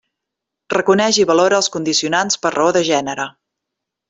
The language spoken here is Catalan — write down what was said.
Reconeix i valora els condicionants per raó de gènere.